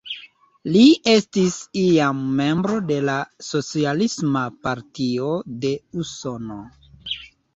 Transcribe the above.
Li estis iam membro de la Socialisma Partio de Usono.